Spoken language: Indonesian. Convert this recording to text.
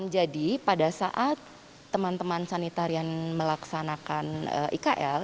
jadi pada saat teman teman sanitarian melaksanakan ikl